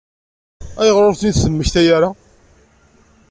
Ayɣer ur ten-id-temmekta ara?